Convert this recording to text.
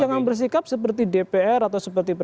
jangan bersikap seperti dpr atau seperti pp